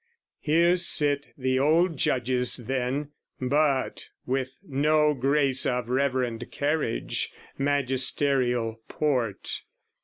Here sit the old Judges then, but with no grace Of reverend carriage, magisterial port.